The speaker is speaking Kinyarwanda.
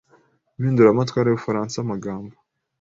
Impinduramatwara yUbufaransa Amagambo